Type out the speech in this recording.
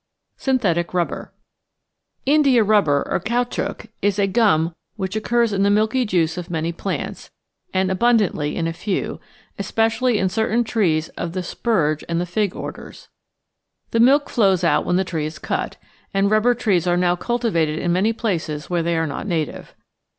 Synthetic Rubber India rubber or Caoutchouc is a gum that occurs in the milky juice of many plants, and abundantly in a few, especially in certain trees of the spurge and the fig orders. The milk flows out when the tree is cut; and rubber trees are now cultivated in many places where they are not native.